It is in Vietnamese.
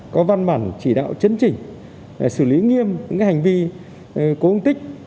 có văn bản chỉ đạo chấn chỉnh xử lý nghiêm những hành vi cố ung tích